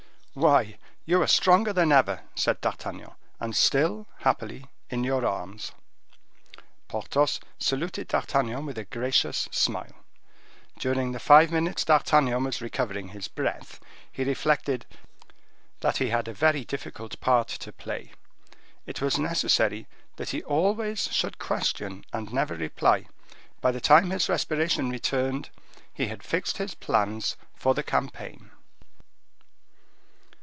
"Why, you are stronger than ever," said D'Artagnan, "and still, happily, in your arms." Porthos saluted D'Artagnan with a gracious smile. During the five minutes D'Artagnan was recovering his breath, he reflected that he had a very difficult part to play. It was necessary that he always should question and never reply. By the time his respiration returned, he had fixed his plans for the campaign.